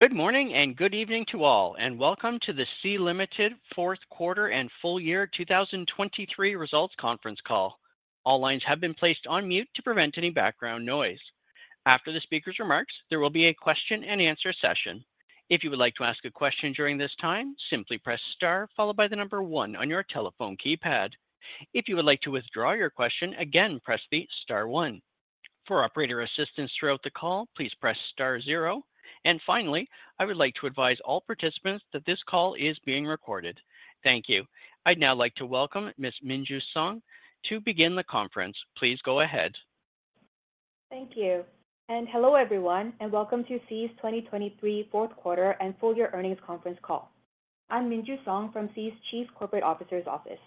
Good morning, and good evening to all, and welcome to the Sea Limited fourth quarter and full year 2023 results conference call. All lines have been placed on mute to prevent any background noise. After the speaker's remarks, there will be a question and answer session. If you would like to ask a question during this time, simply press star followed by the number one on your telephone keypad. If you would like to withdraw your question, again, press the star one. For operator assistance throughout the call, please press star zero. And finally, I would like to advise all participants that this call is being recorded. Thank you. I'd now like to welcome Ms. Min Ju Song to begin the conference. Please go ahead. Thank you. Hello, everyone, and welcome to Sea's 2023 fourth quarter and full year earnings conference call. I'm Min Ju Song from Sea's Chief Corporate Officer's office.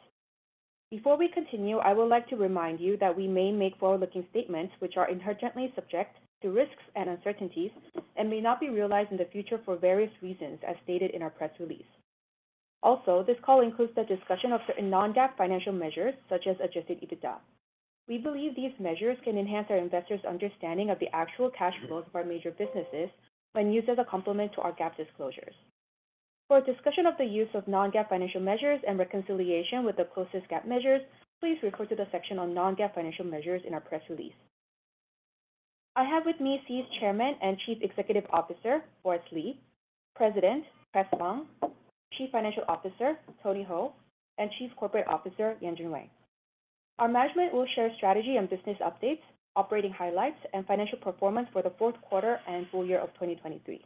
Before we continue, I would like to remind you that we may make forward-looking statements which are inherently subject to risks and uncertainties and may not be realized in the future for various reasons, as stated in our press release. Also, this call includes the discussion of certain non-GAAP financial measures, such as Adjusted EBITDA. We believe these measures can enhance our investors' understanding of the actual cash flows of our major businesses when used as a complement to our GAAP disclosures. For a discussion of the use of non-GAAP financial measures and reconciliation with the closest GAAP measures, please refer to the section on non-GAAP financial measures in our press release. I have with me Sea's Chairman and Chief Executive Officer, Forrest Li, President, Chris Feng, Chief Financial Officer, Tony Hou, and Chief Corporate Officer, Yanjun Wang. Our management will share strategy and business updates, operating highlights, and financial performance for the fourth quarter and full year of 2023.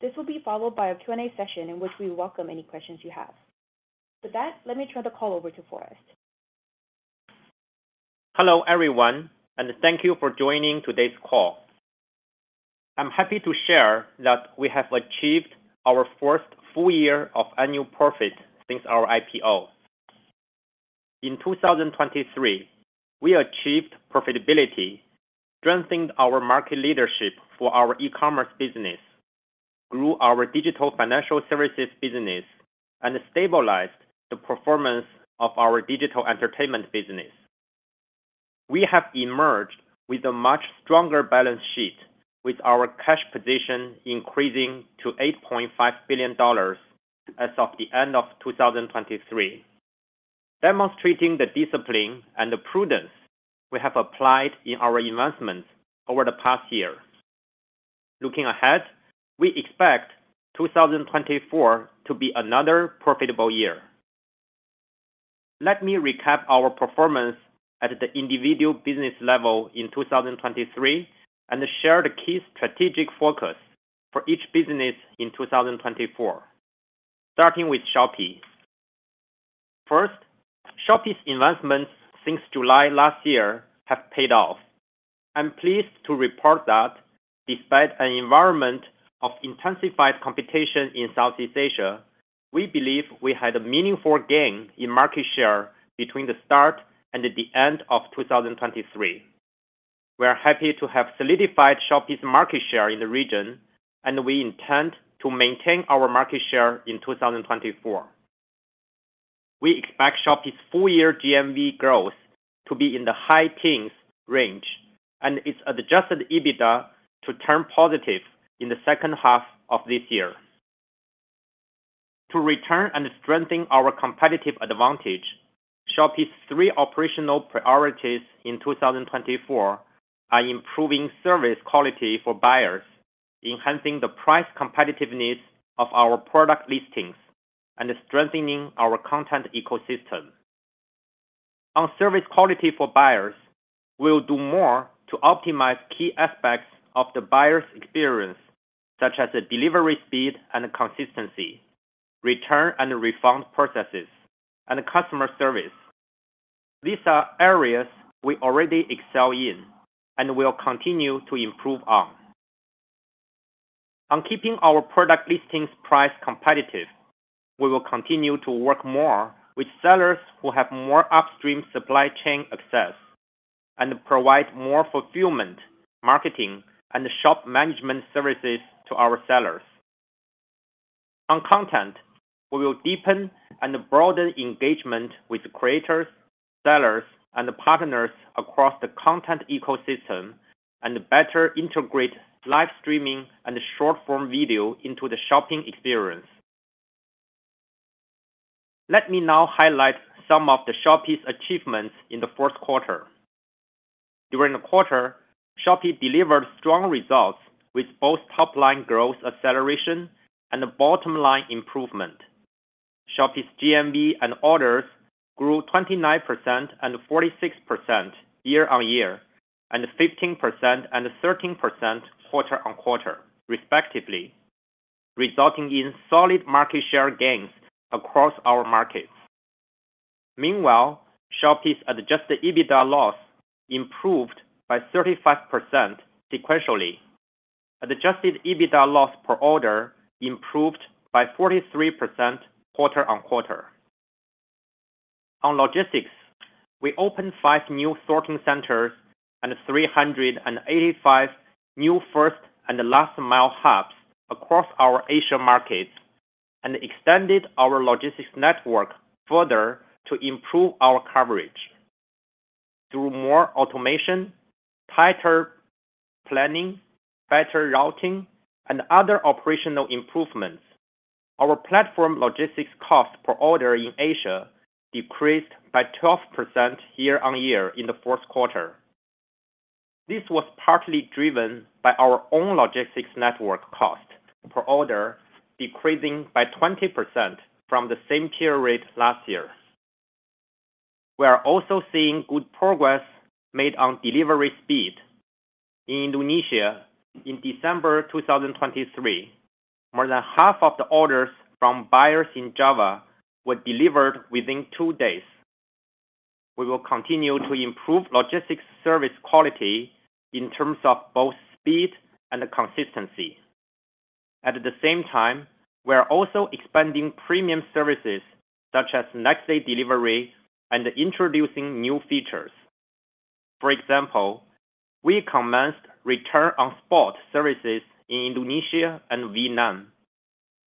This will be followed by a Q&A session, in which we welcome any questions you have. With that, let me turn the call over to Forrest. Hello, everyone, and thank you for joining today's call. I'm happy to share that we have achieved our first full year of annual profit since our IPO. In 2023, we achieved profitability, strengthened our market leadership for our e-commerce business, grew our digital financial services business, and stabilized the performance of our digital entertainment business. We have emerged with a much stronger balance sheet, with our cash position increasing to $8.5 billion as of the end of 2023, demonstrating the discipline and the prudence we have applied in our investments over the past year. Looking ahead, we expect 2024 to be another profitable year. Let me recap our performance at the individual business level in 2023 and share the key strategic focus for each business in 2024, starting with Shopee. First, Shopee's investments since July last year have paid off. I'm pleased to report that despite an environment of intensified competition in Southeast Asia, we believe we had a meaningful gain in market share between the start and the end of 2023. We are happy to have solidified Shopee's market share in the region, and we intend to maintain our market share in 2024. We expect Shopee's full-year GMV growth to be in the high teens range and its Adjusted EBITDA to turn positive in the second half of this year. To return and strengthen our competitive advantage, Shopee's three operational priorities in 2024 are: improving service quality for buyers, enhancing the price competitiveness of our product listings, and strengthening our content ecosystem. On service quality for buyers, we'll do more to optimize key aspects of the buyer's experience, such as the delivery speed and consistency, return and refund processes, and customer service. These are areas we already excel in and will continue to improve on. On keeping our product listing prices competitive, we will continue to work more with sellers who have more upstream supply chain access and provide more fulfillment, marketing, and shop management services to our sellers. On content, we will deepen and broaden engagement with creators, sellers, and partners across the content ecosystem and better integrate live streaming and short-form video into the shopping experience. Let me now highlight some of the Shopee's achievements in the fourth quarter. During the quarter, Shopee delivered strong results with both top-line growth acceleration and a bottom-line improvement. Shopee's GMV and orders grew 29% and 46% year-on-year, and 15% and 13% quarter-on-quarter, respectively, resulting in solid market share gains across our markets. Meanwhile, Shopee's Adjusted EBITDA loss improved by 35% sequentially. Adjusted EBITDA loss per order improved by 43% quarter-on-quarter. On logistics, we opened 5 new sorting centers and 385 new first and last mile hubs across our Asian markets and extended our logistics network further to improve our coverage.... Through more automation, tighter planning, better routing, and other operational improvements, our platform logistics cost per order in Asia decreased by 12% year-on-year in the fourth quarter. This was partly driven by our own logistics network cost per order, decreasing by 20% from the same period last year. We are also seeing good progress made on delivery speed. In Indonesia, in December 2023, more than half of the orders from buyers in Java were delivered within two days. We will continue to improve logistics service quality in terms of both speed and consistency. At the same time, we are also expanding premium services such as next-day delivery and introducing new features. For example, we commenced Return on Spot services in Indonesia and Vietnam.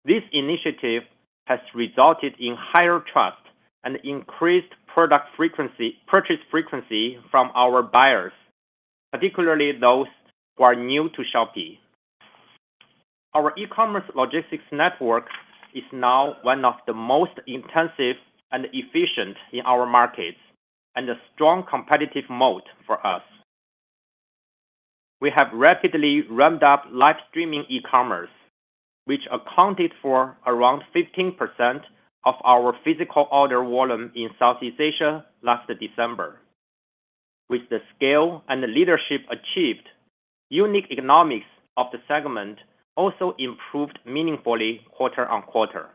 This initiative has resulted in higher trust and increased purchase frequency from our buyers, particularly those who are new to Shopee. Our e-commerce logistics network is now one of the most intensive and efficient in our markets, and a strong competitive moat for us. We have rapidly ramped up live streaming e-commerce, which accounted for around 15% of our physical order volume in Southeast Asia last December. With the scale and the leadership achieved, unique economics of the segment also improved meaningfully quarter-on-quarter.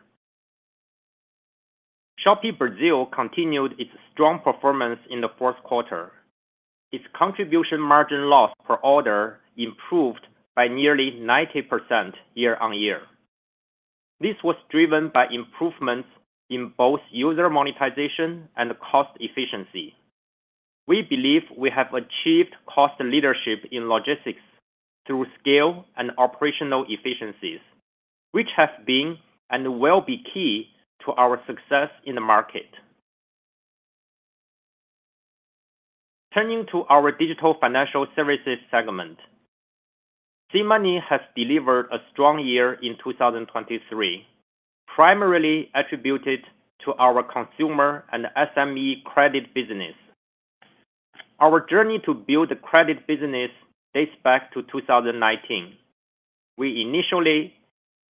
Shopee Brazil continued its strong performance in the fourth quarter. Its contribution margin loss per order improved by nearly 90% year-on-year. This was driven by improvements in both user monetization and cost efficiency. We believe we have achieved cost leadership in logistics through scale and operational efficiencies, which have been and will be key to our success in the market. Turning to our digital financial services segment, SeaMoney has delivered a strong year in 2023, primarily attributed to our consumer and SME credit business. Our journey to build the credit business dates back to 2019. We initially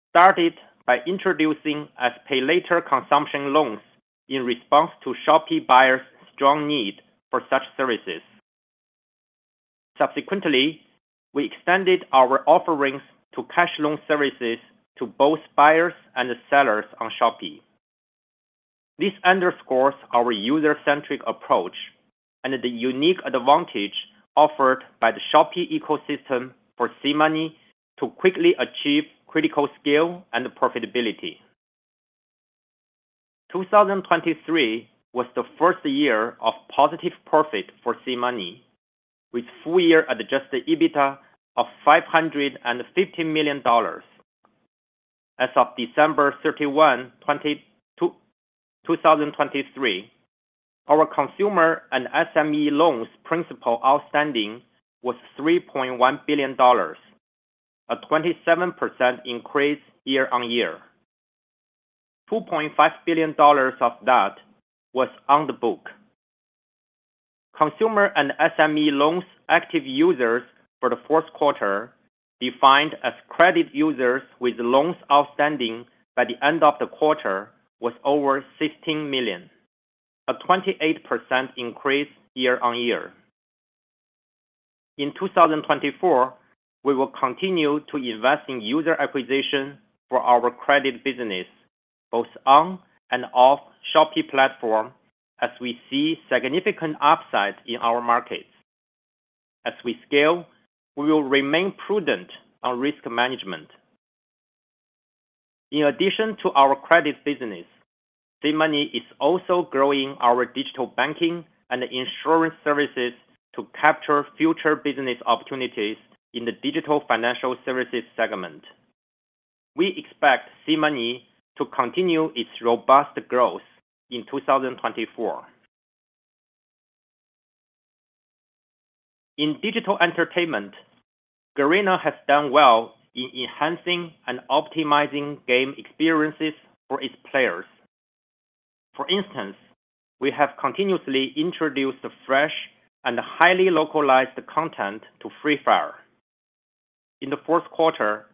started by introducing SPayLater consumption loans in response to Shopee buyers' strong need for such services. Subsequently, we extended our offerings to cash loan services to both buyers and the sellers on Shopee. This underscores our user-centric approach and the unique advantage offered by the Shopee ecosystem for SeaMoney to quickly achieve critical scale and profitability. 2023 was the first year of positive profit for SeaMoney, with full-year Adjusted EBITDA of $550 million. As of December 31, 2023, our consumer and SME loans principal outstanding was $3.1 billion, a 27% increase year-on-year. $2.5 billion of that was on the book. Consumer and SME loans active users for the fourth quarter, defined as credit users with loans outstanding by the end of the quarter, was over 16 million, a 28% increase year-on-year. In 2024, we will continue to invest in user acquisition for our credit business, both on and off Shopee platform, as we see significant upside in our markets. As we scale, we will remain prudent on risk management. In addition to our credit business, SeaMoney is also growing our digital banking and insurance services to capture future business opportunities in the digital financial services segment. We expect SeaMoney to continue its robust growth in 2024. In digital entertainment, Garena has done well in enhancing and optimizing game experiences for its players. For instance, we have continuously introduced fresh and highly localized content to Free Fire. In the fourth quarter,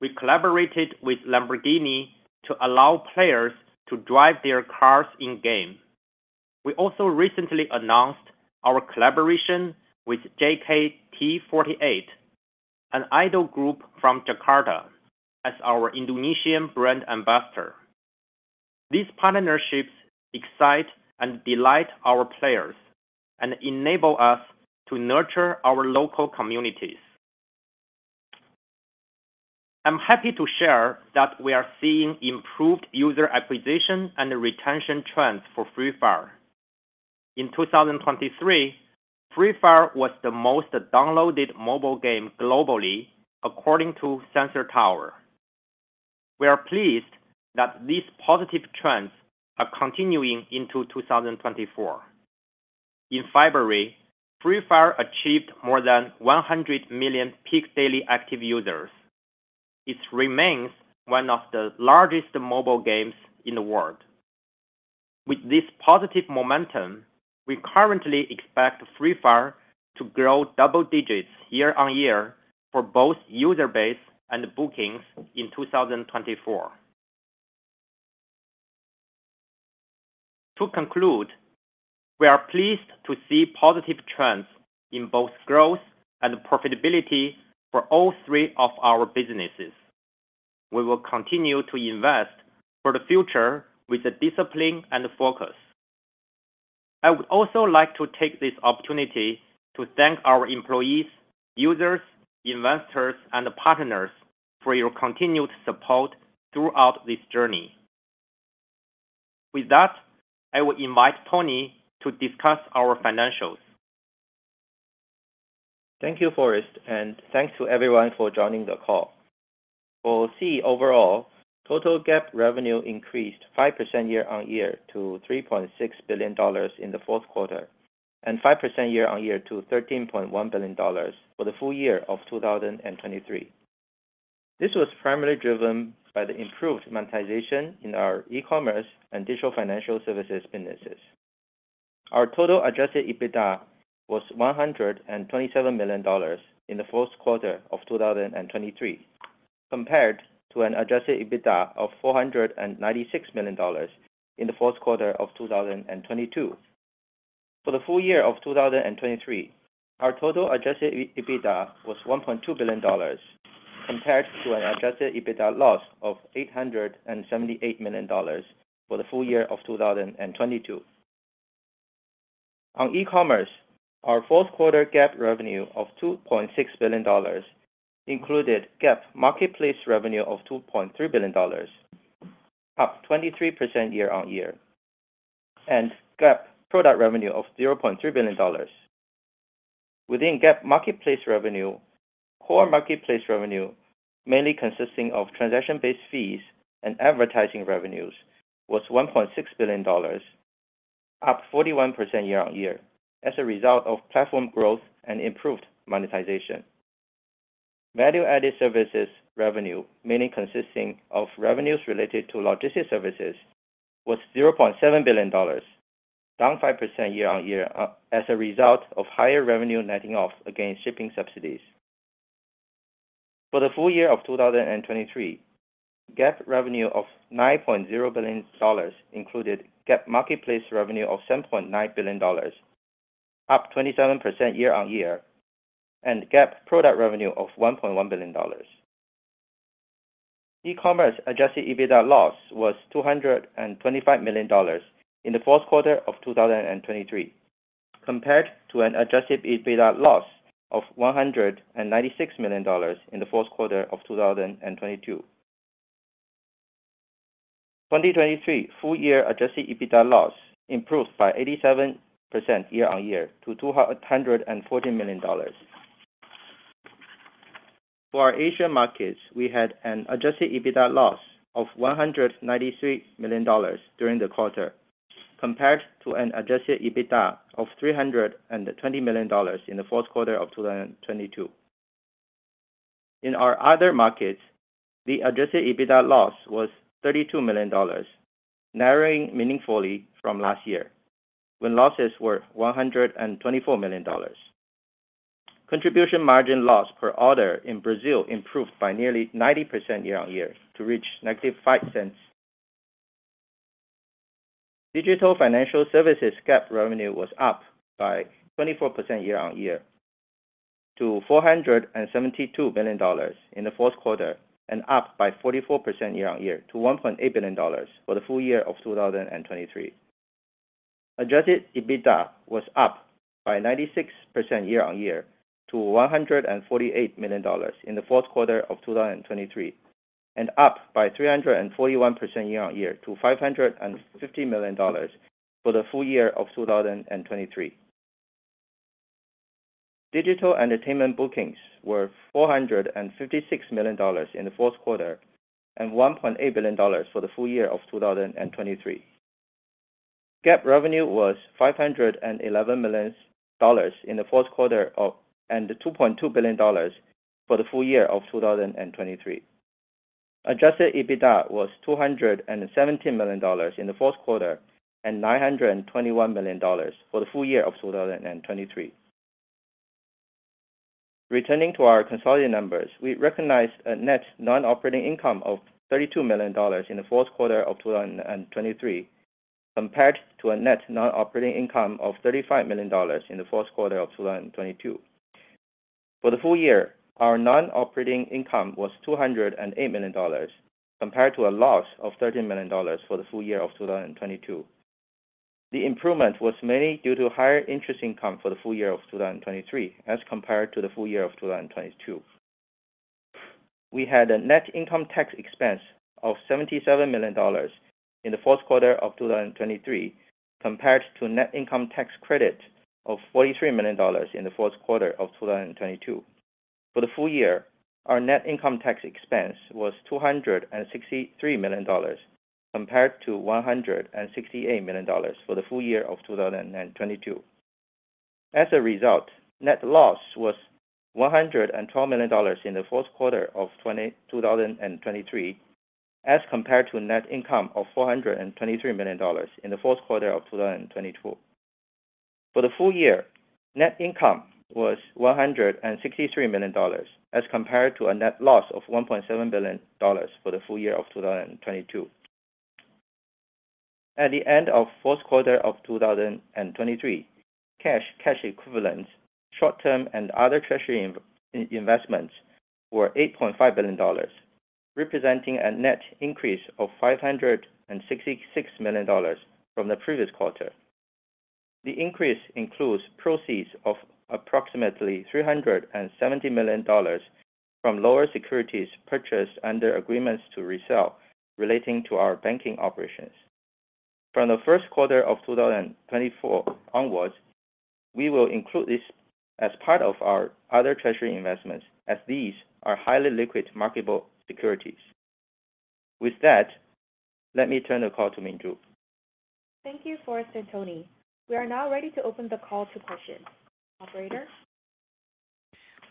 we collaborated with Lamborghini to allow players to drive their cars in-game. We also recently announced our collaboration with JKT48, an idol group from Jakarta, as our Indonesian brand ambassador. These partnerships excite and delight our players and enable us to nurture our local communities. I'm happy to share that we are seeing improved user acquisition and retention trends for Free Fire. In 2023, Free Fire was the most downloaded mobile game globally, according to Sensor Tower.... We are pleased that these positive trends are continuing into 2024. In February, Free Fire achieved more than 100 million peak daily active users. It remains one of the largest mobile games in the world. With this positive momentum, we currently expect Free Fire to grow double digits year-on-year for both user base and bookings in 2024. To conclude, we are pleased to see positive trends in both growth and profitability for all three of our businesses. We will continue to invest for the future with the discipline and focus. I would also like to take this opportunity to thank our employees, users, investors, and partners for your continued support throughout this journey. With that, I will invite Tony to discuss our financials. Thank you, Forrest, and thanks to everyone for joining the call. For Sea overall, total GAAP revenue increased 5% year-on-year to $3.6 billion in the fourth quarter, and 5% year-on-year to $13.1 billion for the full year of 2023. This was primarily driven by the improved monetization in our e-commerce and digital financial services businesses. Our total Adjusted EBITDA was $127 million in the fourth quarter of 2023, compared to an Adjusted EBITDA of $496 million in the fourth quarter of 2022. For the full year of 2023, our total Adjusted EBITDA was $1.2 billion, compared to an Adjusted EBITDA loss of $878 million for the full year of 2022. On e-commerce, our fourth quarter GAAP revenue of $2.6 billion included GAAP marketplace revenue of $2.3 billion, up 23% year-on-year, and GAAP product revenue of $0.3 billion. Within GAAP marketplace revenue, core marketplace revenue, mainly consisting of transaction-based fees and advertising revenues, was $1.6 billion, up 41% year-on-year, as a result of platform growth and improved monetization. Value-added services revenue, mainly consisting of revenues related to logistics services, was $0.7 billion, down 5% year-on-year, as a result of higher revenue netting off against shipping subsidies. For the full year of 2023, GAAP revenue of $9.0 billion included GAAP marketplace revenue of $7.9 billion, up 27% year-on-year, and GAAP product revenue of $1.1 billion. E-commerce Adjusted EBITDA loss was $225 million in the fourth quarter of 2023, compared to an Adjusted EBITDA loss of $196 million in the fourth quarter of 2022. The full year Adjusted EBITDA loss improved by 87% year-on-year to $214 million. For our Asian markets, we had an Adjusted EBITDA loss of $193 million during the quarter, compared to an Adjusted EBITDA of $320 million in the fourth quarter of 2022. In our other markets, the Adjusted EBITDA loss was $32 million, narrowing meaningfully from last year, when losses were $124 million. Contribution margin loss per order in Brazil improved by nearly 90% year-on-year to reach -$0.05. Digital financial services GAAP revenue was up by 24% year-on-year to $472 million in the fourth quarter, and up by 44% year-on-year to $1.8 billion for the full year of 2023. Adjusted EBITDA was up by 96% year-on-year to $148 million in the fourth quarter of 2023, and up by 341% year-on-year to $550 million for the full year of 2023. Digital entertainment bookings were $456 million in the fourth quarter and $1.8 billion for the full year of 2023. GAAP revenue was $511 million in the fourth quarter of and $2.2 billion for the full year of 2023. Adjusted EBITDA was $217 million in the fourth quarter and $921 million for the full year of 2023. Returning to our consolidated numbers, we recognized a net non-operating income of $32 million in the fourth quarter of 2023, compared to a net non-operating income of $35 million in the fourth quarter of 2022. For the full year, our non-operating income was $208 million, compared to a loss of $13 million for the full year of 2022. The improvement was mainly due to higher interest income for the full year of 2023 as compared to the full year of 2022. We had a net income tax expense of $77 million-... in the fourth quarter of 2023, compared to net income tax credit of $43 million in the fourth quarter of 2022. For the full year, our net income tax expense was $263 million, compared to $168 million for the full year of 2022. As a result, net loss was $112 million in the fourth quarter of 2023, as compared to net income of $423 million in the fourth quarter of 2022. For the full year, net income was $163 million, as compared to a net loss of $1.7 billion for the full year of 2022. At the end of the fourth quarter of 2023, cash, cash equivalents, short-term and other treasury investments were $8.5 billion, representing a net increase of $566 million from the previous quarter. The increase includes proceeds of approximately $370 million from lower securities purchased under agreements to resell relating to our banking operations. From the first quarter of 2024 onwards, we will include this as part of our other treasury investments, as these are highly liquid, marketable securities. With that, let me turn the call to Minju. Thank you, Forrest and Tony. We are now ready to open the call to questions. Operator?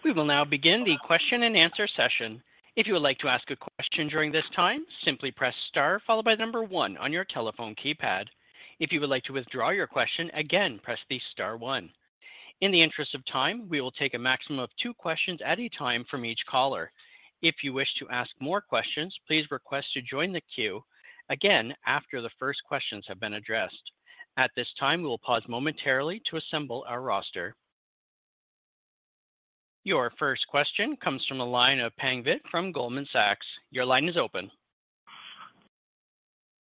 We will now begin the question and answer session. If you would like to ask a question during this time, simply press star followed by 1 on your telephone keypad. If you would like to withdraw your question, again, press the star 1. In the interest of time, we will take a maximum of 2 questions at a time from each caller. If you wish to ask more questions, please request to join the queue again after the first questions have been addressed. At this time, we will pause momentarily to assemble our roster. Your first question comes from the line of Pang Vitt from Goldman Sachs. Your line is open.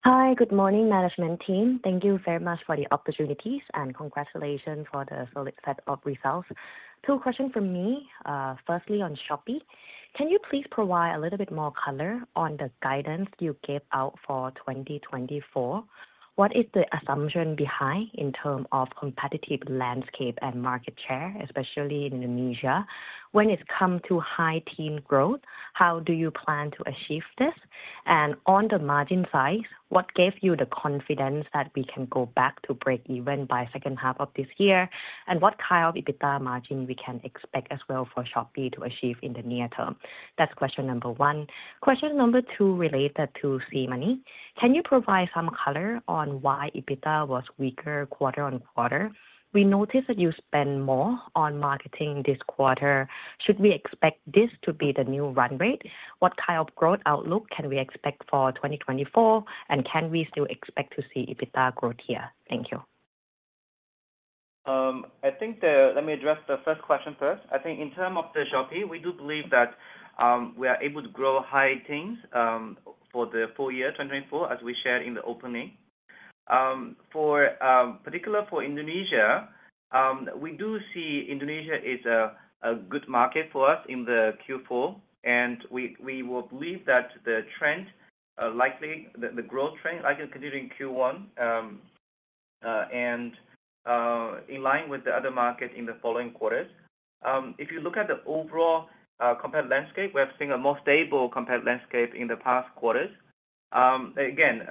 Hi, good morning, management team. Thank you very much for the opportunities, and congratulations for the solid set of results. Two questions from me. Firstly, on Shopee, can you please provide a little bit more color on the guidance you gave out for 2024? What is the assumption behind in term of competitive landscape and market share, especially in Indonesia? When it's come to high teen growth, how do you plan to achieve this? And on the margin side, what gave you the confidence that we can go back to breakeven by second half of this year? And what kind of EBITDA margin we can expect as well for Shopee to achieve in the near term? That's question number one. Question number two related to SeaMoney. Can you provide some color on why EBITDA was weaker quarter-over-quarter? We noticed that you spend more on marketing this quarter. Should we expect this to be the new run rate? What kind of growth outlook can we expect for 2024? Can we still expect to see EBITDA growth here? Thank you. I think. Let me address the first question first. I think in terms of Shopee, we do believe that we are able to grow high teens for the full year 2024, as we shared in the opening. Particularly for Indonesia, we do see Indonesia as a good market for us in Q4, and we will believe that the trend likely. The growth trend likely to continue in Q1 and in line with the other market in the following quarters. If you look at the overall competitive landscape, we have seen a more stable competitive landscape in the past quarters. Again,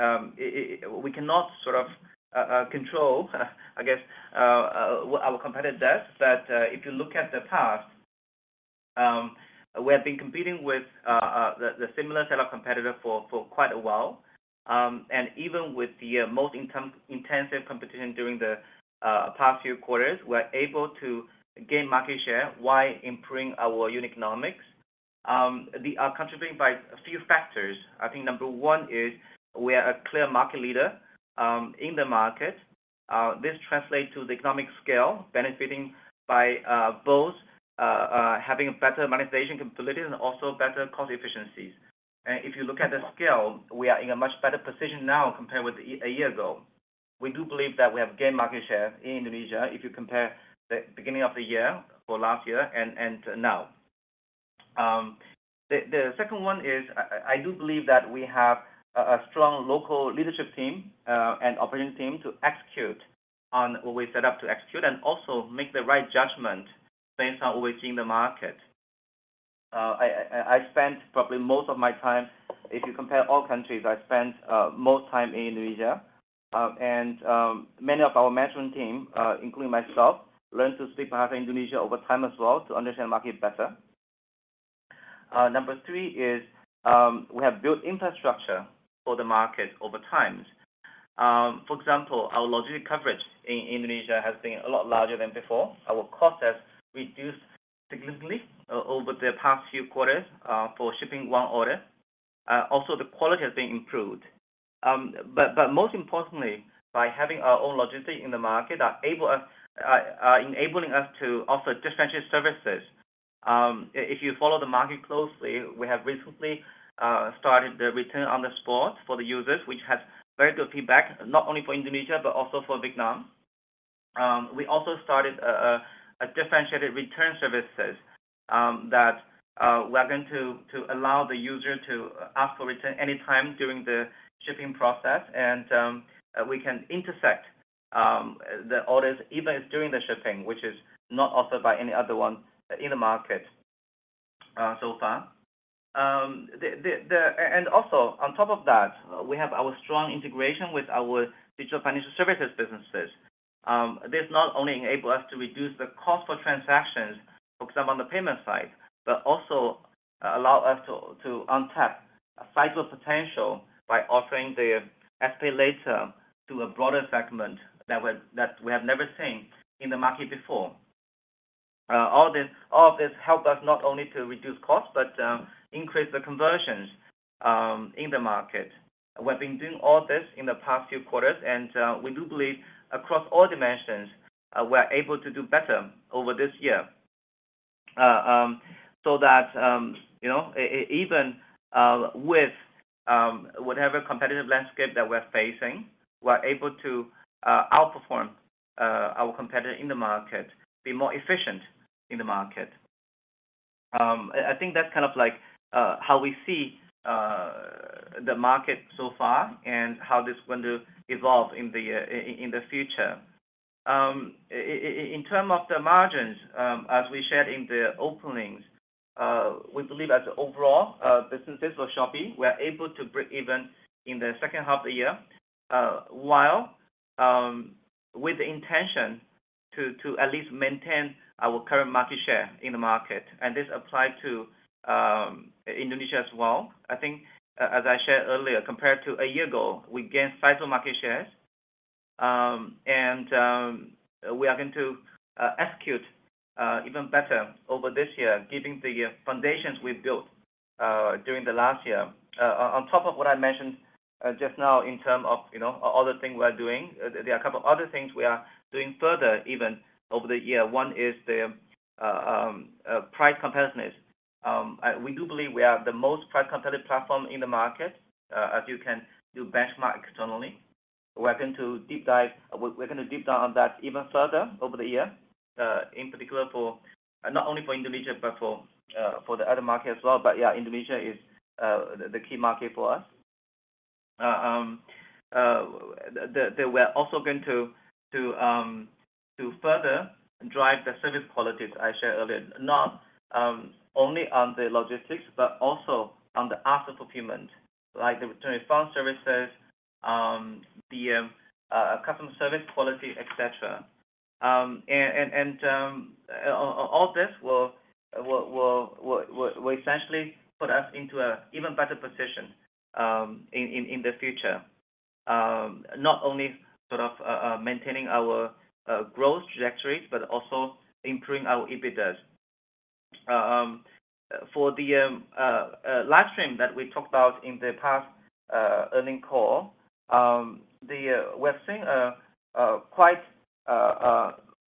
we cannot sort of control, I guess, what our competitor does, but if you look at the past, we have been competing with the similar set of competitor for quite a while. And even with the most intensive competition during the past few quarters, we're able to gain market share while improving our unit economics. The contributing by a few factors. I think number one is we are a clear market leader in the market. This translates to the economic scale benefiting by both having better monetization capabilities and also better cost efficiencies. And if you look at the scale, we are in a much better position now compared with a year ago. We do believe that we have gained market share in Indonesia if you compare the beginning of the year for last year and now. The second one is I do believe that we have a strong local leadership team and operations team to execute on what we set up to execute and also make the right judgment based on what we see in the market. I spent probably most of my time, if you compare all countries, in Indonesia. And many of our management team, including myself, learned to speak perhaps Indonesian over time as well, to understand the market better. Number three is we have built infrastructure for the market over time. For example, our logistics coverage in Indonesia has been a lot larger than before. Our costs have reduced significantly over the past few quarters for shipping one order. Also, the quality has been improved. But most importantly, by having our own logistics in the market, enabling us to offer differentiated services. If you follow the market closely, we have recently started the Return on Spot for the users, which has very good feedback, not only for Indonesia, but also for Vietnam. We also started a differentiated return services that we're going to allow the user to ask for return any time during the shipping process. And we can intercept the orders, even if during the shipping, which is not offered by any other one in the market so far. And also on top of that, we have our strong integration with our digital financial services businesses. This not only enable us to reduce the cost for transactions, for example, on the payment side, but also allow us to untap a sizable potential by offering the SPayLater to a broader segment that we have never seen in the market before. All this, all of this help us not only to reduce costs, but increase the conversions in the market. We've been doing all this in the past few quarters, and we do believe across all dimensions, we're able to do better over this year. So that, you know, even with whatever competitive landscape that we're facing, we're able to outperform our competitor in the market, be more efficient in the market. I think that's kind of like how we see the market so far and how this is going to evolve in the future. In terms of the margins, as we shared in the openings, we believe as overall businesses for Shopee, we are able to break even in the second half of the year, while with the intention to at least maintain our current market share in the market. And this applies to Indonesia as well. I think, as I shared earlier, compared to a year ago, we gained sizable market shares, and, we are going to, execute, even better over this year, giving the foundations we've built, during the last year. On top of what I mentioned, just now in terms of, you know, other things we're doing, there are a couple of other things we are doing further, even over the year. One is the, price competitiveness. We do believe we are the most price competitive platform in the market, as you can do benchmark externally. We're going to deep dive... We're gonna deep dive on that even further over the year, in particular for not only for Indonesia, but for, for the other market as well. But yeah, Indonesia is, the, the key market for us. We're also going to further drive the service qualities I shared earlier, not only on the logistics, but also on the after fulfillment, like the return refund services, the customer service quality, et cetera. And all this will essentially put us into an even better position in the future. Not only sort of maintaining our growth trajectories, but also improving our EBITDAs. For the live stream that we talked about in the past earnings call, we're seeing quite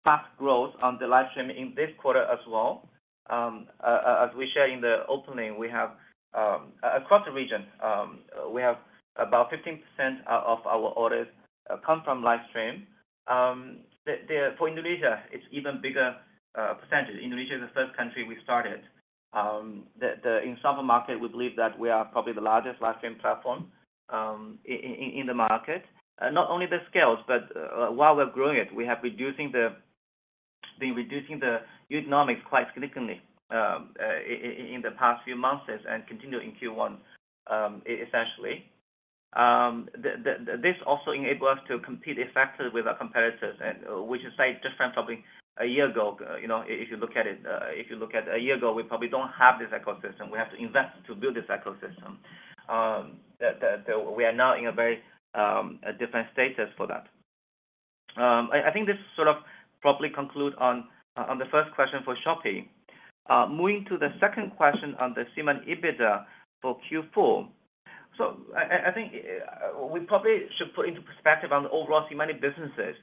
fast growth on the live stream in this quarter as well. As we share in the opening, we have, across the region, we have about 15% of our orders come from live stream. For Indonesia, it's even bigger percentage. Indonesia is the first country we started. In some markets, we believe that we are probably the largest live stream platform in the market. Not only the scales, but while we're growing it, we have been reducing the economics quite significantly in the past few months and continuing Q1, essentially. This also enables us to compete effectively with our competitors, and which is say, just from probably a year ago, you know, if you look at it, if you look at a year ago, we probably don't have this ecosystem. We have to invest to build this ecosystem. The, we are now in a very, a different status for that. I think this sort of probably conclude on, on the first question for Shopee. Moving to the second question on the SeaMoney EBITDA for Q4. So I think we probably should put into perspective on the overall SeaMoney businesses.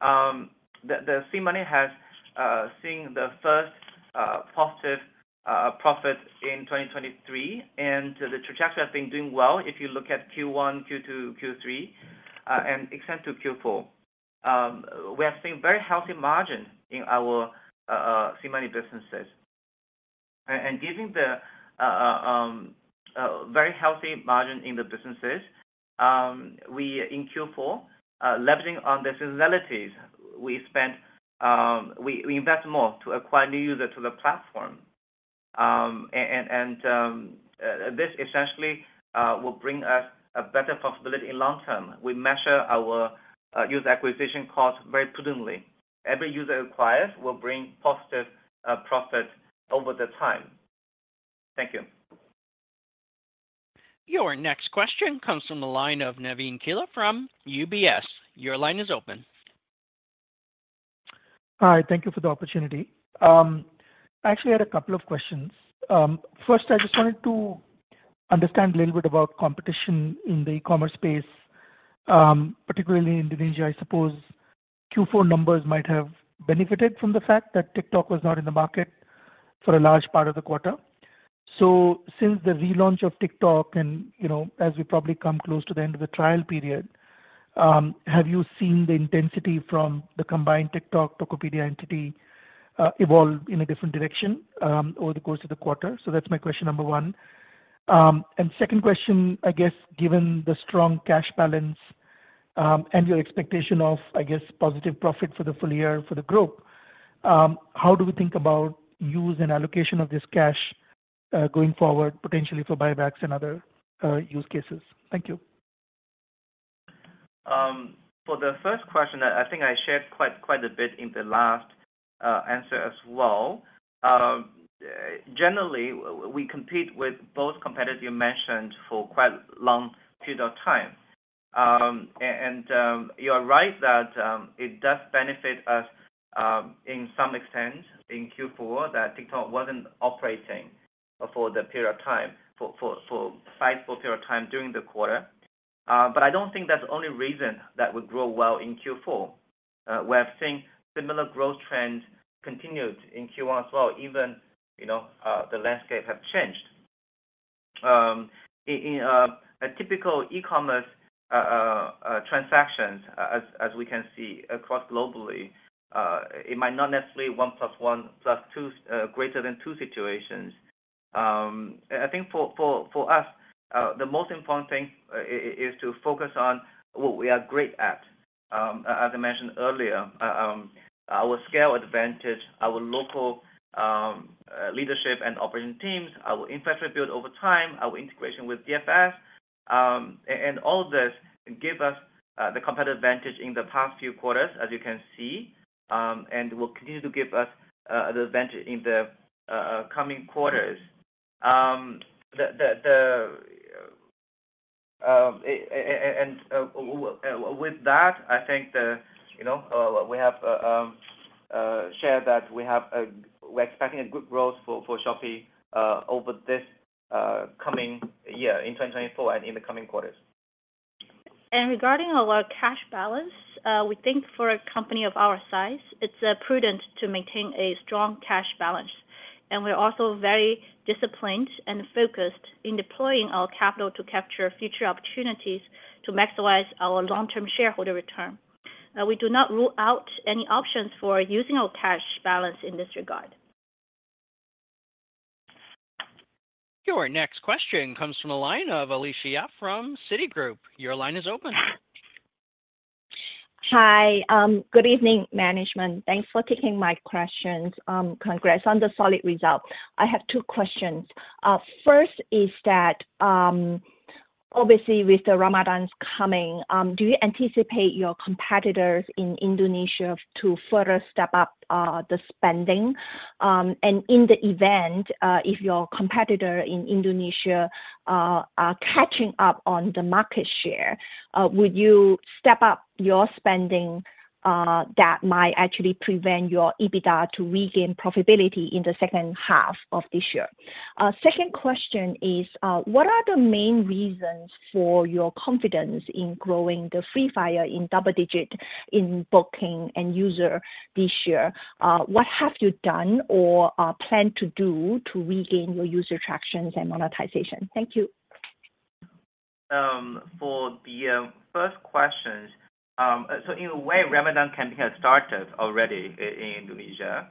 The SeaMoney has seen the first positive profit in 2023, and the trajectory has been doing well. If you look at Q1, Q2, Q3, and extend to Q4, we are seeing very healthy margin in our SeaMoney businesses. And giving the very healthy margin in the businesses, we in Q4, leveraging on the facilities we spent, we invest more to acquire new user to the platform. This essentially will bring us a better profitability in long term. We measure our user acquisition cost very prudently. Every user acquired will bring positive profit over the time. Thank you. Your next question comes from the line of Navin Killa from UBS. Your line is open. Hi, thank you for the opportunity. I actually had a couple of questions. First, I just wanted to understand a little bit about competition in the e-commerce space, particularly Indonesia. I suppose Q4 numbers might have benefited from the fact that TikTok was not in the market for a large part of the quarter? So since the relaunch of TikTok, and, you know, as we probably come close to the end of the trial period, have you seen the intensity from the combined TikTok, Tokopedia entity, evolve in a different direction, over the course of the quarter? So that's my question number one. Second question, I guess, given the strong cash balance, and your expectation of, I guess, positive profit for the full year for the group, how do we think about use and allocation of this cash, going forward, potentially for buybacks and other, use cases? Thank you. For the first question, I think I shared quite a bit in the last answer as well. Generally, we compete with both competitors you mentioned for quite long period of time. And you are right that it does benefit us in some extent in Q4, that TikTok wasn't operating for the period of time for a sizable period of time during the quarter. But I don't think that's the only reason that we grow well in Q4. We have seen similar growth trends continued in Q1 as well, even you know the landscape have changed. In a typical e-commerce transaction, as we can see across globally, it might not necessarily one plus one plus two greater than two situations. I think for us, the most important thing is to focus on what we are great at. As I mentioned earlier, our scale advantage, our local leadership and operating teams, our infrastructure build over time, our integration with DFS, and all this give us the competitive advantage in the past few quarters, as you can see, and will continue to give us the advantage in the coming quarters. And with that, I think the... You know, we have shared that we have, we're expecting a good growth for Shopee over this coming year in 2024 and in the coming quarters. Regarding our cash balance, we think for a company of our size, it's prudent to maintain a strong cash balance. We're also very disciplined and focused in deploying our capital to capture future opportunities to maximize our long-term shareholder return. We do not rule out any options for using our cash balance in this regard. Your next question comes from the line of Alicia Yap from Citigroup. Your line is open. Hi. Good evening, management. Thanks for taking my questions. Congrats on the solid results. I have two questions. First is that, obviously with the Ramadan's coming, do you anticipate your competitors in Indonesia to further step up the spending? And in the event, if your competitor in Indonesia are catching up on the market share, would you step up your spending that might actually prevent your EBITDA to regain profitability in the second half of this year? Second question is, what are the main reasons for your confidence in growing the Free Fire in double digit in booking and user this year? What have you done or plan to do to regain your user traction and monetization? Thank you. For the first question, so in a way, Ramadan campaign has started already in Indonesia.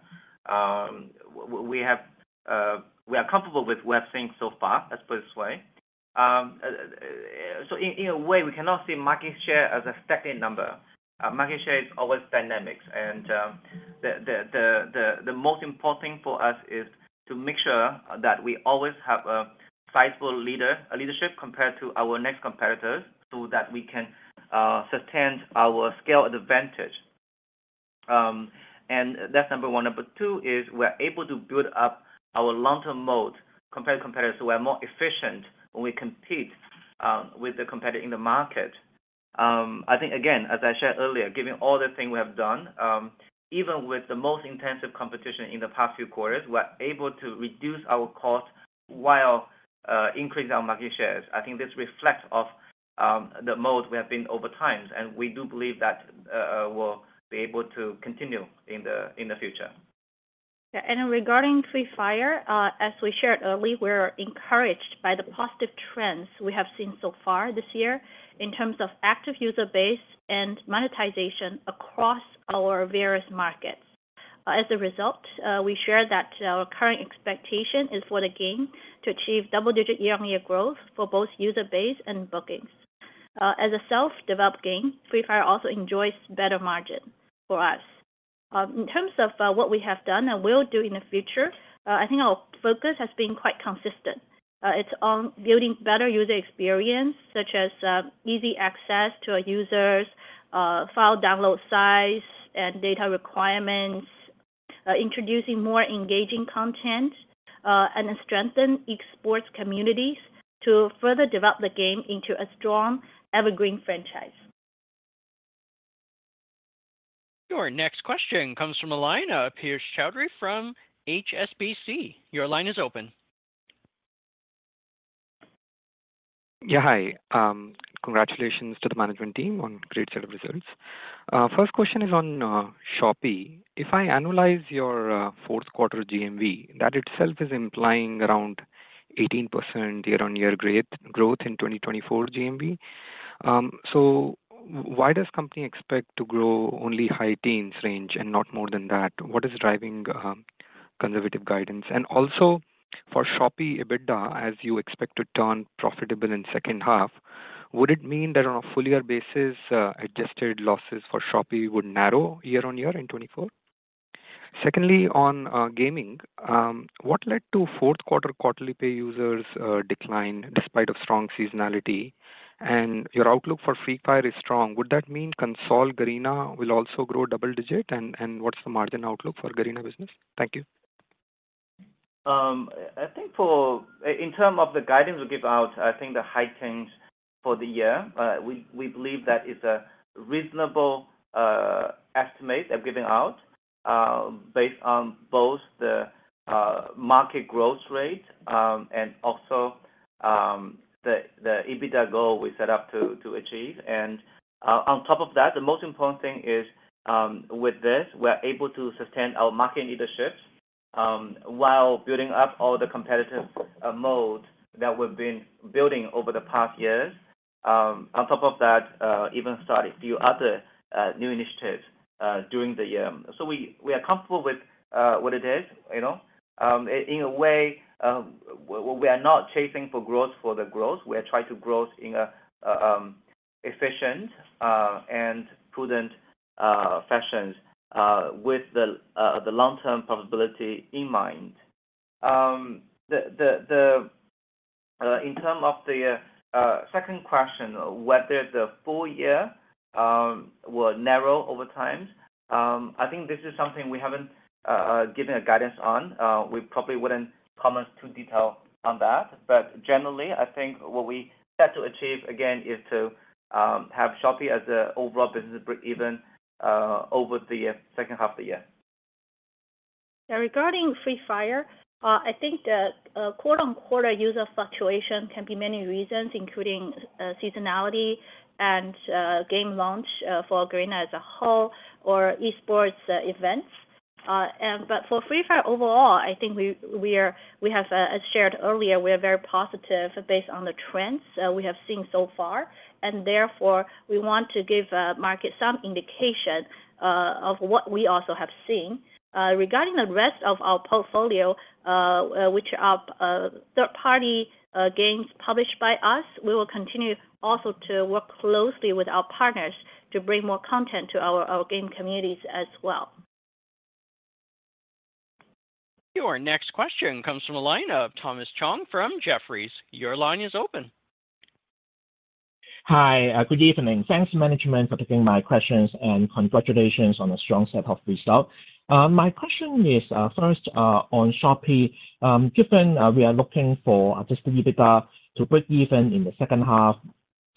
We are comfortable with what we're seeing so far, let's put it this way. So in a way, we cannot see market share as a static number. Market share is always dynamics, and the most important thing for us is to make sure that we always have a sizable leadership compared to our next competitors, so that we can sustain our scale advantage. And that's number one. Number two is we're able to build up our long-term moat compared to competitors who are more efficient when we compete with the competitor in the market. I think, again, as I shared earlier, given all the things we have done, even with the most intensive competition in the past few quarters, we're able to reduce our cost while increasing our market shares. I think this reflects of the moat we have been over time, and we do believe that we'll be able to continue in the future. Yeah, and regarding Free Fire, as we shared early, we're encouraged by the positive trends we have seen so far this year in terms of active user base and monetization across our various markets. As a result, we share that our current expectation is for the game to achieve double-digit year-on-year growth for both user base and bookings. As a self-developed game, Free Fire also enjoys better margin for us. In terms of what we have done and will do in the future, I think our focus has been quite consistent. It's on building better user experience, such as easy access to our users, file download size and data requirements, introducing more engaging content, and strengthen esports communities to further develop the game into a strong evergreen franchise. Your next question comes from the line of Piyush Choudhary from HSBC. Your line is open.... Yeah, hi. Congratulations to the management team on great set of results. First question is on Shopee. If I analyze your fourth quarter GMV, that itself is implying around 18% year-on-year growth, growth in 2024 GMV. So why does company expect to grow only high teens range and not more than that? What is driving conservative guidance? And also for Shopee EBITDA, as you expect to turn profitable in second half, would it mean that on a full year basis, Adjusted losses for Shopee would narrow year-on-year in 2024? Secondly, on gaming, what led to fourth quarter quarterly pay users decline despite a strong seasonality, and your outlook for Free Fire is strong. Would that mean consolidated Garena will also grow double-digit, and what's the margin outlook for Garena business? Thank you. I think in terms of the guidance we give out, I think the high teens for the year, we believe that is a reasonable estimate of giving out, based on both the market growth rate, and also, the EBITDA goal we set up to achieve. And on top of that, the most important thing is, with this, we're able to sustain our market leadership, while building up all the competitive moat that we've been building over the past years. On top of that, even start a few other new initiatives during the year. So we are comfortable with what it is, you know. In a way, we are not chasing for growth for the growth. We are trying to grow in an efficient and prudent fashion with the long-term profitability in mind. In terms of the second question, whether the full year will narrow over time, I think this is something we haven't given guidance on. We probably wouldn't comment in too much detail on that. But generally, I think what we set to achieve, again, is to have Shopee as an overall business break even over the second half of the year. Yeah, regarding Free Fire, I think the quarter on quarter user fluctuation can be many reasons, including seasonality and game launch for Garena as a whole or esports events. But for Free Fire overall, I think we are, we have, as shared earlier, we are very positive based on the trends we have seen so far, and therefore, we want to give market some indication of what we also have seen. Regarding the rest of our portfolio, which are third-party games published by us, we will continue also to work closely with our partners to bring more content to our game communities as well. Your next question comes from the line of Thomas Chong from Jefferies. Your line is open. Hi, good evening. Thanks, management, for taking my questions, and congratulations on a strong set of results. My question is, first, on Shopee. Given, we are looking for Adjusted EBITDA to break even in the second half,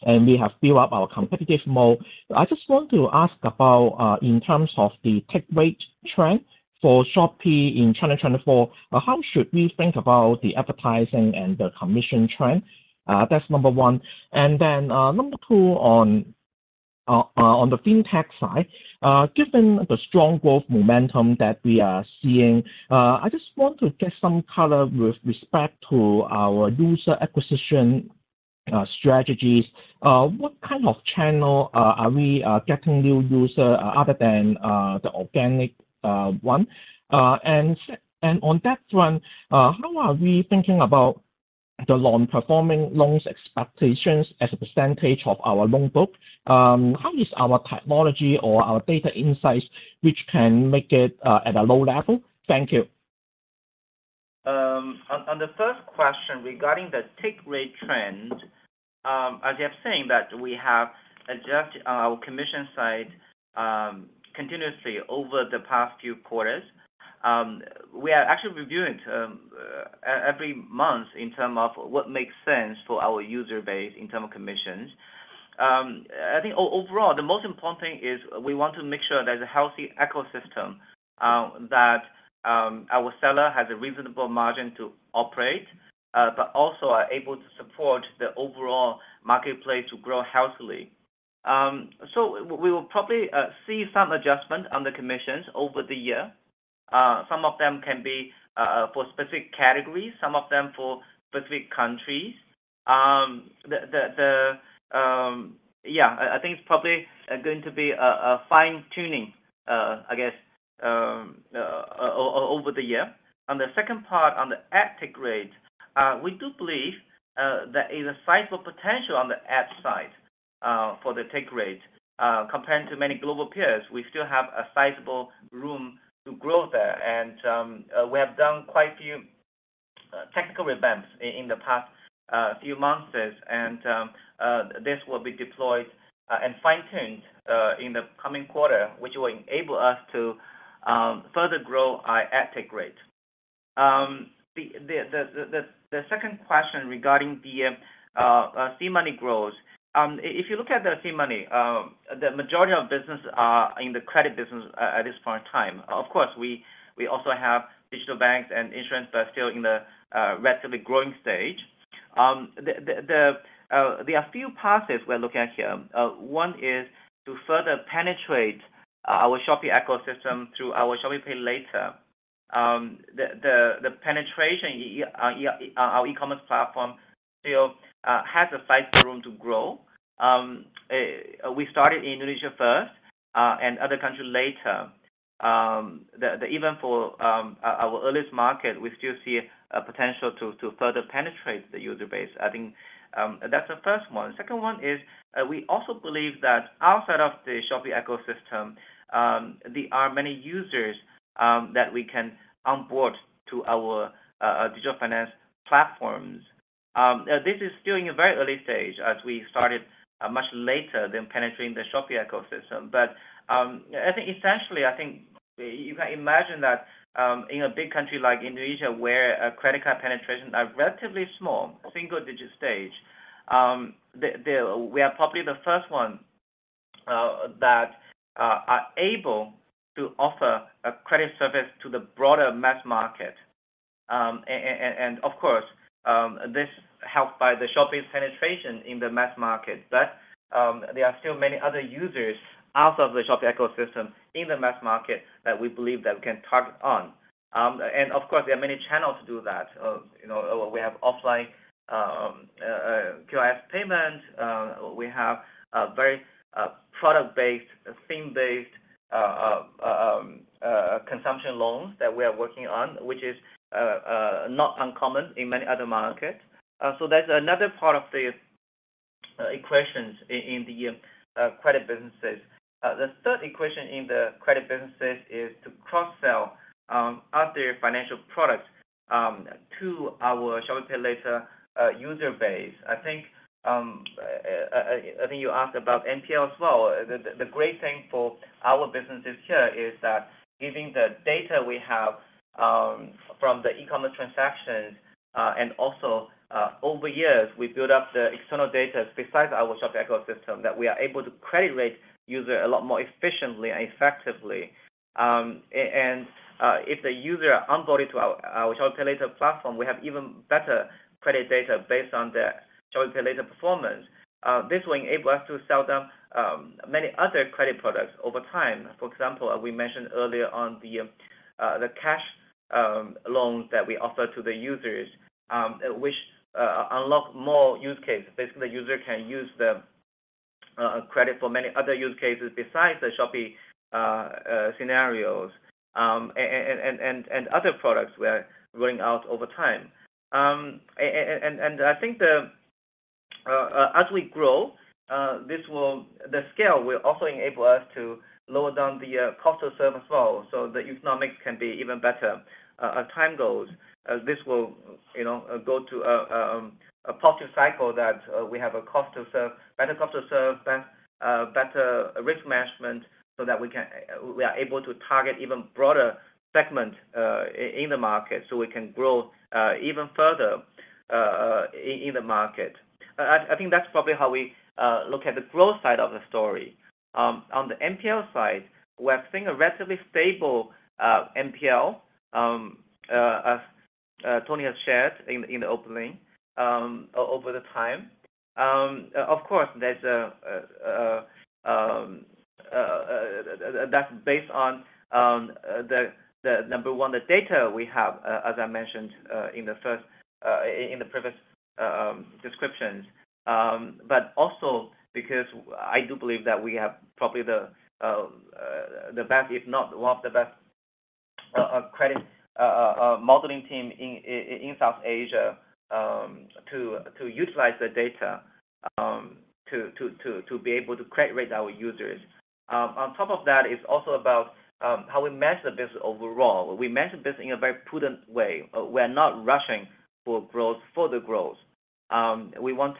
and we have built up our competitive mode, I just want to ask about, in terms of the take rate trend for Shopee in 2024, how should we think about the advertising and the commission trend? That's number one. And then, number two, on, on the Fintech side, given the strong growth momentum that we are seeing, I just want to get some color with respect to our user acquisition, strategies. What kind of channel, are we, getting new user, other than, the organic, one? And on that one, how are we thinking about the non-performing loans expectations as a percentage of our loan book? How is our technology or our data insights, which can make it at a low level? Thank you. On the first question regarding the take rate trend, as you have seen, that we have Adjusted our commission side continuously over the past few quarters. We are actually reviewing terms every month in terms of what makes sense for our user base in terms of commissions. I think overall, the most important thing is we want to make sure there's a healthy ecosystem, that our seller has a reasonable margin to operate, but also are able to support the overall marketplace to grow healthily. So we will probably see some adjustment on the commissions over the year. Some of them can be for specific categories, some of them for specific countries. The... Yeah, I think it's probably going to be a fine-tuning, I guess, over the year. On the second part, on the ad take rate, we do believe there is a sizable potential on the ad side for the take rate. Comparing to many global peers, we still have a sizable room to grow there, and we have done quite a few technical revamps in the past few months, and this will be deployed and fine-tuned in the coming quarter, which will enable us to further grow our ad take rate. The second question regarding the SeaMoney growth, if you look at the SeaMoney, the majority of business are in the credit business at this point in time. Of course, we also have digital banks and insurance that are still in the relatively growing stage. There are few passes we're looking at here. One is to further penetrate our Shopee ecosystem through our Shopee Pay Later. The penetration our e-commerce platform still has a slight room to grow. We started Indonesia first and other countries later. Even for our earliest market, we still see a potential to further penetrate the user base. I think that's the first one. The second one is we also believe that outside of the Shopee ecosystem, there are many users that we can onboard to our digital finance platforms. This is still in a very early stage as we started much later than penetrating the Shopee ecosystem. But I think essentially, I think you can imagine that in a big country like Indonesia, where credit card penetration are relatively small, single-digit stage, we are probably the first one that are able to offer a credit service to the broader mass market. Of course, this helped by the Shopee's penetration in the mass market. But there are still many other users out of the Shopee ecosystem in the mass market that we believe that we can target on. And of course, there are many channels to do that. You know, we have offline QRIS payment, we have a very product-based, scene-based consumption loans that we are working on, which is not uncommon in many other markets. So that's another part of the equations in the credit businesses. The third equation in the credit businesses is to cross-sell other financial products to our Shopee Pay Later user base. I think you asked about NPL as well. The great thing for our businesses here is that giving the data we have from the e-commerce transactions and also over years, we build up the external data besides our Shopee ecosystem, that we are able to credit rate user a lot more efficiently and effectively. And if the user are onboarded to our, our Shopee Pay Later platform, we have even better credit data based on the Shopee Pay Later performance. This will enable us to sell them many other credit products over time. For example, we mentioned earlier on the the cash loans that we offer to the users which unlock more use cases. Basically, the user can use the credit for many other use cases besides the Shopee scenarios, and other products we are rolling out over time. And I think the as we grow this will... The scale will also enable us to lower down the cost of service as well, so the economics can be even better. As time goes, this will, you know, go to a positive cycle that we have a cost of serve, better cost of serve, then better risk management so that we can, we are able to target even broader segment in the market, so we can grow even further in the market. I think that's probably how we look at the growth side of the story. On the NPL side, we're seeing a relatively stable NPL as Tony has shared in the opening over time. Of course, that's based on the data we have as I mentioned in the previous descriptions. But also because I do believe that we have probably the best, if not one of the best, credit modeling team in South Asia to be able to credit rate our users. On top of that, it's also about how we manage the business overall. We manage the business in a very prudent way. We're not rushing for growth, further growth. We want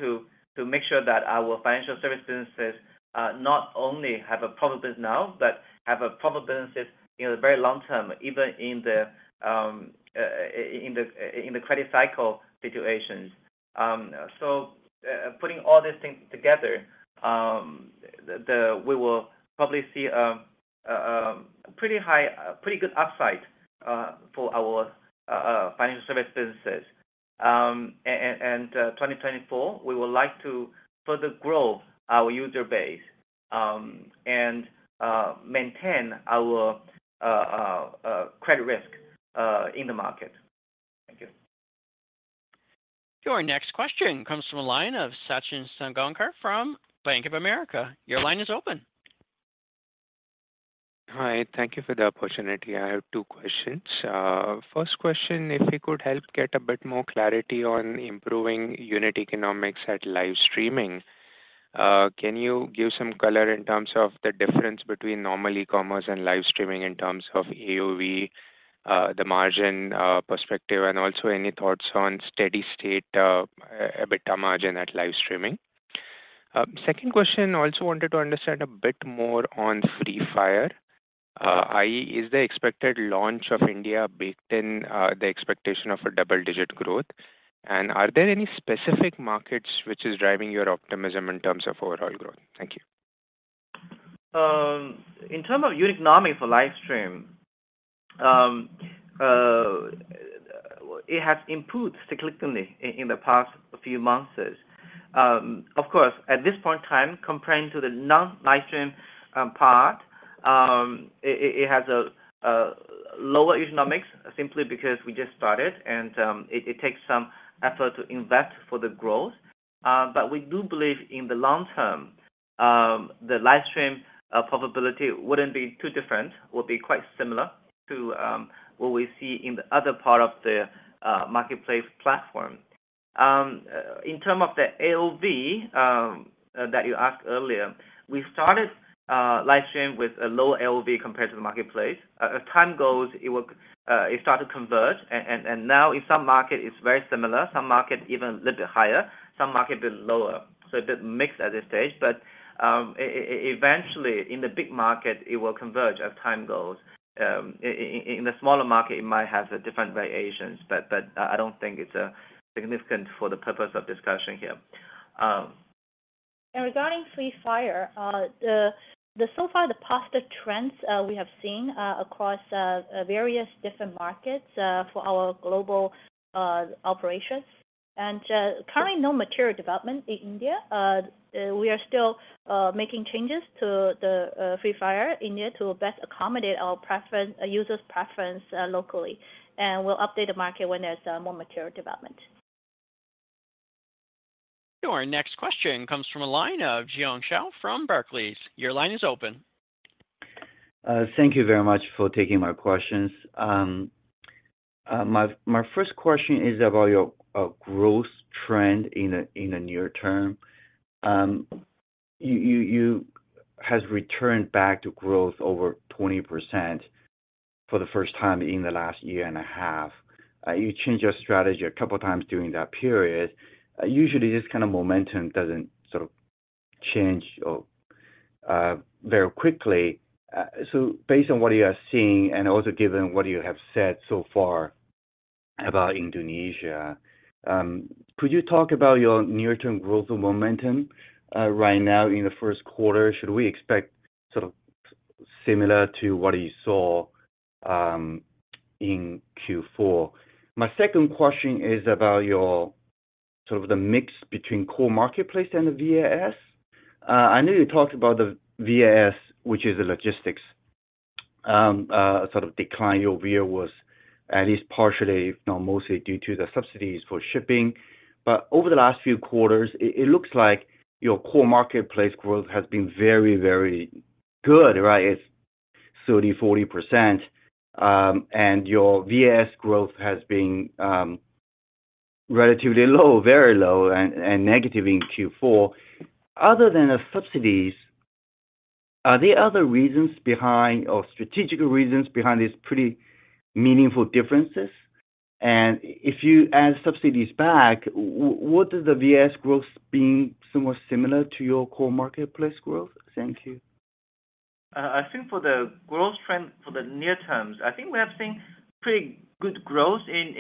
to make sure that our financial service businesses not only have a profit business now, but have a profit businesses in the very long term, even in the credit cycle situations. So, putting all these things together, we will probably see a pretty good upside for our financial service businesses. And, 2024, we would like to further grow our user base and maintain our credit risk in the market. Thank you. Your next question comes from a line of Sachin Salgaonkar from Bank of America. Your line is open. Hi, thank you for the opportunity. I have two questions. First question, if you could help get a bit more clarity on improving unit economics at live streaming. Can you give some color in terms of the difference between normal e-commerce and live streaming in terms of AOV, the margin, perspective, and also any thoughts on steady-state, EBITDA margin at live streaming? Second question, I also wanted to understand a bit more on Free Fire. i.e., is the expected launch of India baked in, the expectation of a double-digit growth? And are there any specific markets which is driving your optimism in terms of overall growth? Thank you.... in terms of unit economics for live stream, it has improved cyclically in the past few months. Of course, at this point in time, comparing to the non-live stream part, it has a lower economics simply because we just started, and it takes some effort to invest for the growth. But we do believe in the long term, the live stream profitability wouldn't be too different, would be quite similar to what we see in the other part of the marketplace platform. In term of the AOV, that you asked earlier, we started live stream with a low AOV compared to the marketplace. As time goes, it will, it start to converge, and now in some market, it's very similar, some market even a little bit higher, some market a bit lower. So a bit mixed at this stage, but eventually, in the big market, it will converge as time goes. In the smaller market, it might have different variations, but I don't think it's significant for the purpose of discussion here. Regarding Free Fire, so far, the positive trends we have seen across various different markets for our global operations, and currently, no material development in India. We are still making changes to the Free Fire India to best accommodate our preference, user's preference, locally, and we'll update the market when there's more mature development. Our next question comes from a line of Jiong Shao from Barclays. Your line is open. Thank you very much for taking my questions. My first question is about your growth trend in the near term. You has returned back to growth over 20% for the first time in the last year and a half. You changed your strategy a couple of times during that period. Usually, this kind of momentum doesn't sort of change or very quickly. So based on what you are seeing and also given what you have said so far about Indonesia, could you talk about your near-term growth and momentum right now in the first quarter? Should we expect sort of similar to what you saw in Q4? My second question is about your sort of the mix between core marketplace and the VAS. I know you talked about the VAS, which is the logistics, sort of decline your view was at least partially, you know, mostly due to the subsidies for shipping. But over the last few quarters, it looks like your core marketplace growth has been very, very good, right? It's 30%-40%, and your VAS growth has been relatively low, very low, and negative in Q4. Other than the subsidies, are there other reasons behind or strategical reasons behind these pretty meaningful differences? And if you add subsidies back, what is the VAS growth being somewhat similar to your core marketplace growth? Thank you. I think for the growth trend for the near terms, I think we have seen pretty good growth in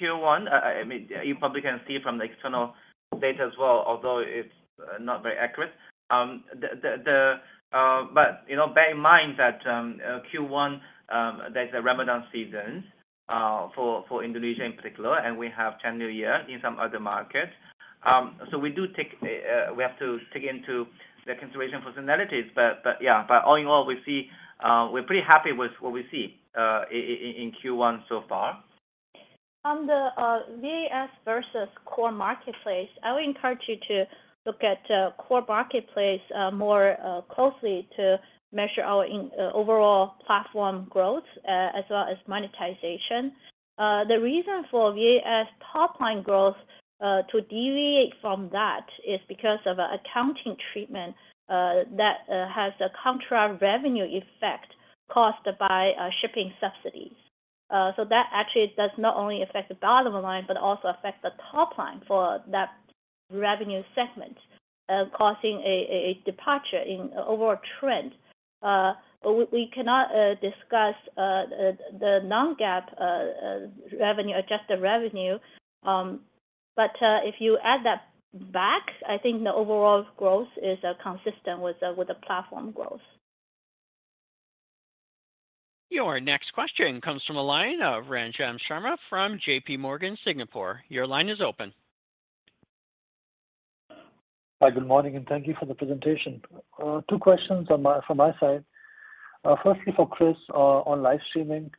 Q1. I mean, you probably can see from the external data as well, although it's not very accurate. But, you know, bear in mind that Q1, there's a Ramadan season for Indonesia in particular, and we have Chinese New Year in some other markets. So we do take... We have to take into the consideration for narratives, but yeah, but all in all, we see, we're pretty happy with what we see in Q1 so far. On the VAS versus core marketplace, I would encourage you to look at core marketplace more closely to measure our overall platform growth as well as monetization. The reason for VAS top-line growth to deviate from that is because of an accounting treatment that has a contra revenue effect caused by shipping subsidies. So that actually does not only affect the bottom line, but also affect the top line for that revenue segment, causing a departure in overall trend. But we cannot discuss the non-GAAP revenue, Adjusted revenue. But if you add that back, I think the overall growth is consistent with the platform growth. Your next question comes from a line of Ranjan Sharma from J.P. Morgan, Singapore. Your line is open. Hi, good morning, and thank you for the presentation. Two questions from my side. Firstly, for Chris, on live streaming.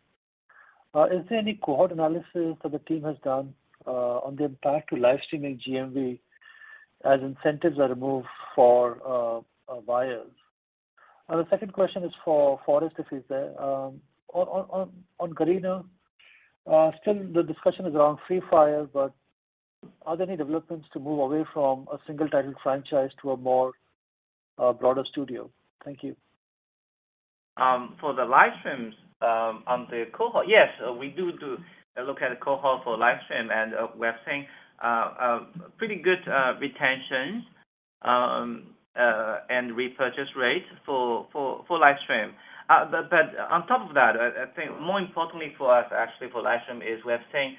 Is there any cohort analysis that the team has done on the impact to live streaming GMV as incentives are removed for buyers? And the second question is for Forrest, if he's there. On Garena, still the discussion is around Free Fire, but are there any developments to move away from a single title franchise to a more broader studio? Thank you. For the live streams, on the cohort, yes, we do look at a cohort for live stream, and we're seeing a pretty good retention and repurchase rate for live stream. But on top of that, I think more importantly for us, actually, for live stream, is we are seeing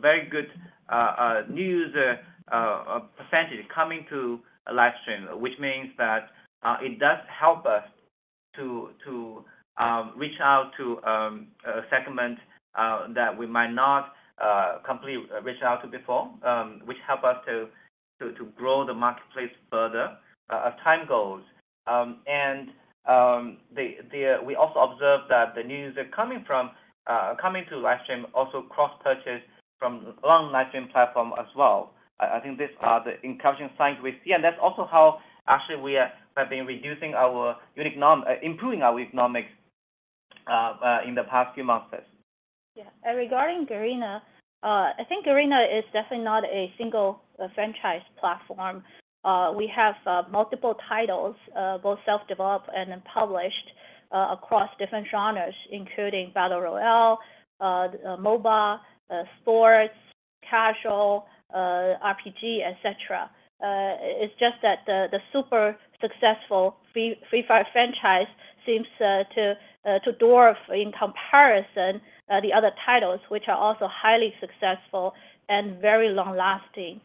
very good new user percentage coming to live stream, which means that it does help us to reach out to a segment that we might not completely reach out to before, which help us to grow the marketplace further as time goes. And we also observed that the new user coming to live stream also cross-purchase from around live stream platform as well. I think these are the encouraging signs we see, and that's also how actually we have been improving our unit economics in the past few months. Yeah. And regarding Garena, I think Garena is definitely not a single franchise platform. We have multiple titles, both self-developed and then published, across different genres, including battle royale, MOBA, sports, casual, RPG, et cetera. It's just that the super successful Free Fire franchise seems to dwarf in comparison the other titles, which are also highly successful and very long-lasting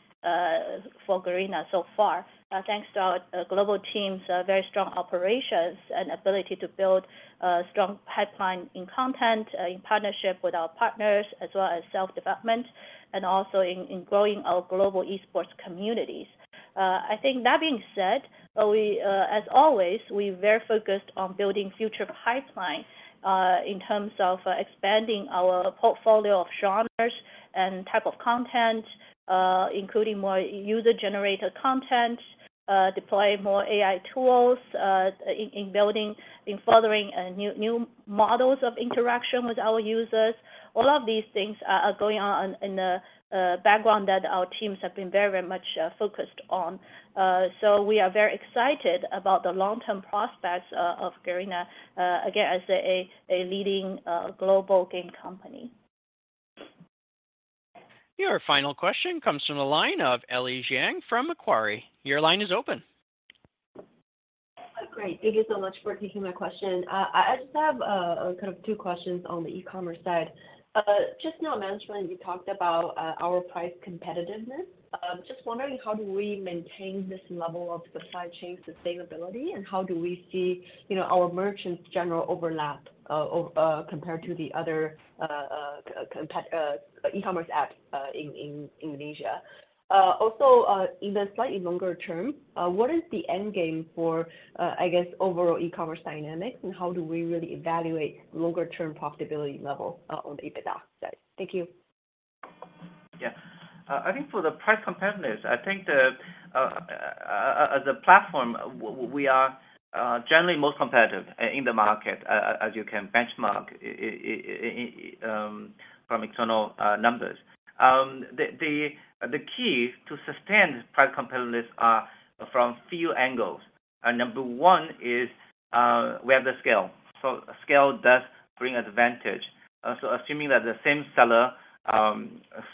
for Garena so far. Thanks to our global teams, very strong operations and ability to build a strong pipeline in content, in partnership with our partners, as well as self-development, and also in growing our global esports communities. I think that being said, we, as always, we're very focused on building future pipeline in terms of expanding our portfolio of genres and type of content, including more user-generated content, deploy more AI tools in, in building, in furthering new, new models of interaction with our users. All of these things are, are going on in the background that our teams have been very, very much focused on. So we are very excited about the long-term prospects of Garena, again, as a, a leading global game company. Your final question comes from the line of Ellie Jiang from Macquarie. Your line is open. Great. Thank you so much for taking my question. I just have kind of two questions on the e-commerce side. Just now, management, you talked about our price competitiveness. Just wondering, how do we maintain this level of supply chain sustainability, and how do we see, you know, our merchants general overlap compared to the other e-commerce apps in Indonesia? Also, in the slightly longer term, what is the end game for, I guess, overall e-commerce dynamics, and how do we really evaluate longer-term profitability level on the EBITDA side? Thank you. Yeah. I think for the price competitiveness, I think the, as a platform, we are generally most competitive in the market, as you can benchmark it from external numbers. The key to sustain price competitiveness are from few angles. Number one is, we have the scale, so scale does bring advantage. So assuming that the same seller,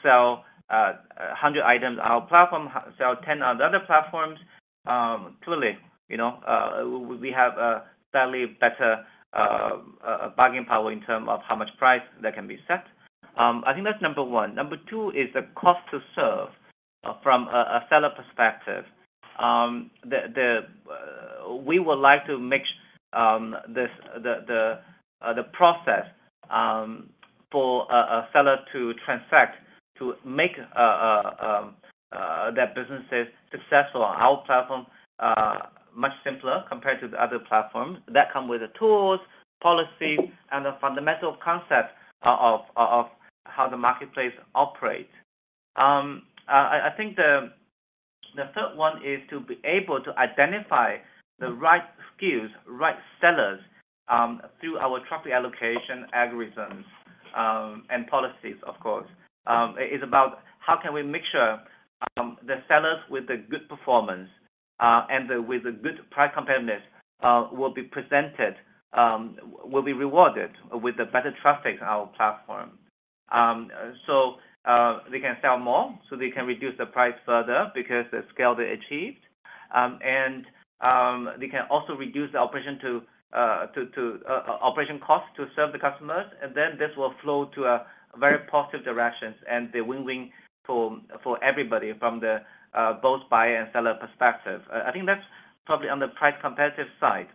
sell 100 items on our platform, sell 10 on the other platforms, clearly, you know, bargaining power in term of how much price that can be set. I think that's number one. Number two is the cost to serve from a seller perspective. The... We would like to make the process for a seller to transact, to make their businesses successful on our platform much simpler compared to the other platforms. That come with the tools, policy, and the fundamental concept of how the marketplace operates. I think the third one is to be able to identify the right skills, right sellers, through our traffic allocation algorithms and policies, of course. It's about how can we make sure the sellers with the good performance and with the good price competitiveness will be presented, will be rewarded with the better traffic on our platform. So they can sell more, so they can reduce the price further because the scale they achieved. And they can also reduce the operation costs to serve the customers, and then this will flow to a very positive direction and the win-win for everybody from both buyer and seller perspective. I think that's probably on the price competitive side.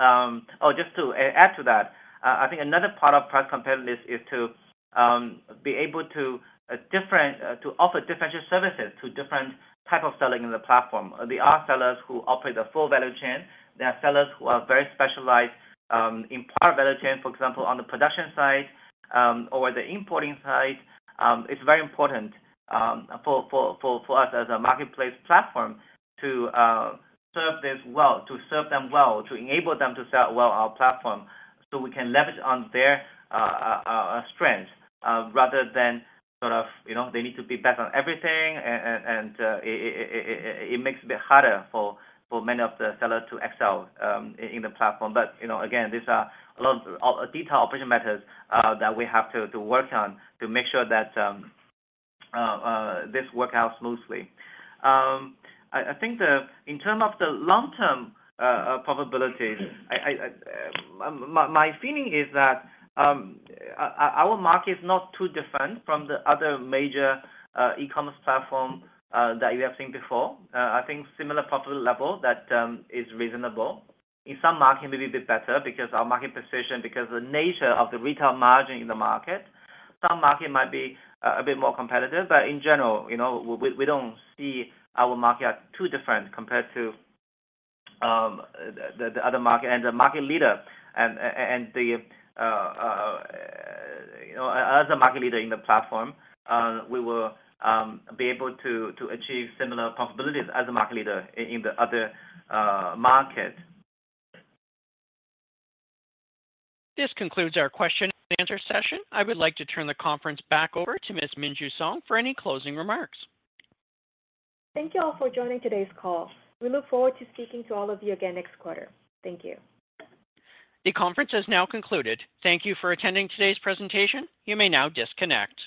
Oh, just to add to that, I think another part of price competitiveness is to be able to offer differential services to different type of sellers in the platform. There are sellers who operate a full value chain. There are sellers who are very specialized in part value chain, for example, on the production side, or the importing side. It's very important for us as a marketplace platform to serve this well, to serve them well, to enable them to sell well on our platform, so we can leverage on their strength, rather than sort of, you know, they need to be best on everything and it makes a bit harder for many of the sellers to excel in the platform. But, you know, again, these are a lot of detailed operation methods that we have to work on to make sure that this work out smoothly. I think in term of the long-term profitability, my feeling is that our market is not too different from the other major e-commerce platform that we have seen before. I think similar profit level that is reasonable. In some market may be a bit better because our market position, because the nature of the retail margin in the market. Some market might be a bit more competitive, but in general, you know, we don't see our market as too different compared to the other market. And the market leader and and you know, as a market leader in the platform, we will be able to achieve similar profitability as the market leader in the other market. This concludes our question and answer session. I would like to turn the conference back over to Ms. Minju Song for any closing remarks. Thank you all for joining today's call. We look forward to speaking to all of you again next quarter. Thank you. The conference has now concluded. Thank you for attending today's presentation. You may now disconnect.